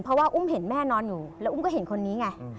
เพราะว่าอุ้มเห็นแม่นอนอยู่แล้วอุ้มก็เห็นคนนี้ไง